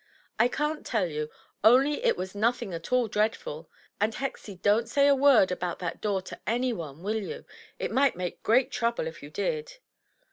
"I can't tell you; only it was nothing at all dreadful. And, Hexie, don't say a word about that door to any one, will you? It might make great trouble if you did."